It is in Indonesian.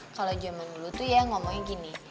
kalau zaman dulu tuh ya ngomongnya gini